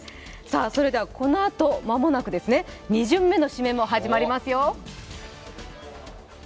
それではこのあと間もなく２巡目の指名も始まりますよ。